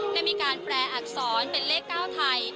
ได้มีการแปลอักษรเป็นเลข๙ไทย